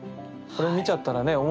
これ見ちゃったらね